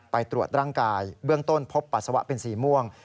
ไปตรวจร่างกายเบื้องต้นพบปัสสาวะเป็นสีม่วง